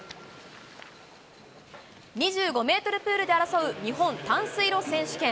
２５メートルプールで争う日本短水路選手権。